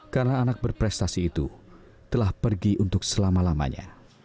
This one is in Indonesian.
karena anak berprestasi itu telah pergi untuk selama lamanya